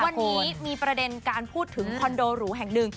วันนี้มีประเด็นการพูดถึงคอนโดหรูแห่งหนึ่ง